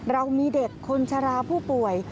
เรามีเด็กคนชะลาผู้ป่วย